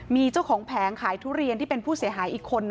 มีเจ้าของแผงขายทุเรียนที่เป็นผู้เสียหายอีกคน